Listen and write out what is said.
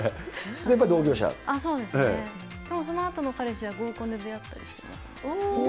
でもそのあとの彼氏は合コンで出会ったりしてました。